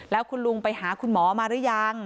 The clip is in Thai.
แล้วคุณลุงไปหาคุณหมอมาหรือยัง